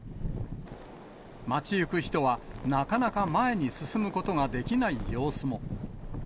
街行く人はなかなか前に進むことができない様子も。